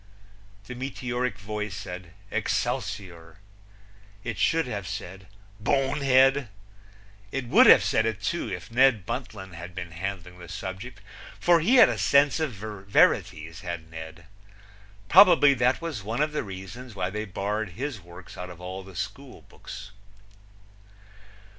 The meteoric voice said "Excelsior!" It should have said "Bonehead!" It would have said it, too, if Ned Buntline had been handling the subject, for he had a sense of verities, had Ned. Probably that was one of the reasons why they barred his works out of all the schoolbooks.